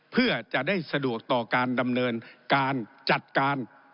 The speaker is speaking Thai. เพื่อจะได้สะดวกต่อการดำเนินการจัดการ